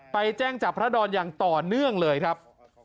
ไปแจ้งจับพระดอนอย่างต่อเนื่องเลยครับ